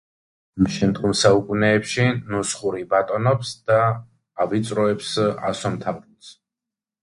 შემდგომ საუკუნეებში ნუსხური ბატონობს და ავიწროებს ასომთავრულს.